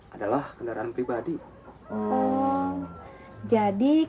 adalah kendaraan pribadi